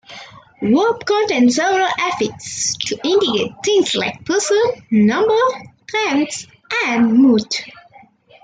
Verbs contain several affixes to indicate things like person, number, tense, and mood.